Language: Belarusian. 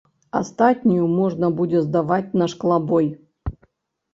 Астатнюю можна будзе здаваць на шклабой.